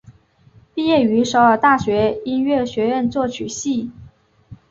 毕业于首尔大学音乐学院作曲系。